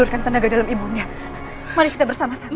ibunya tenaga dalamku pun tidak sanggup menangani aku